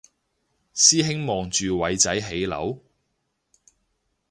師兄望住偉仔起樓？